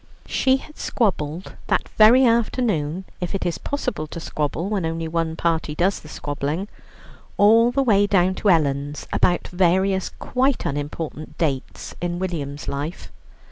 She had squabbled, that very afternoon, if it is possible to squabble when only one party does the squabbling, all the way down to Ellen's about various quite unimportant dates in William's life.